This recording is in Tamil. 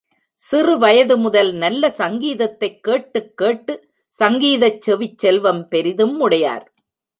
சிறு வயது முதல் நல்ல சங்கீதத்தைக் கேட்டுக் கேட்டு, சங்கீதச் செவிச் செல்வம் பெரிதும் உடையார்.